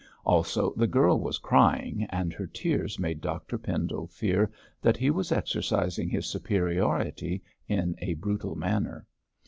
Also the girl was crying, and her tears made Dr Pendle fear that he was exercising his superiority in a brutal manner.